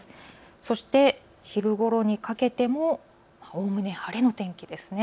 そして昼ごろにかけても、おおむね晴れの天気です。